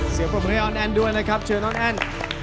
เสียผลพระออนแอนด้วยเลยครับเชิญออนแอน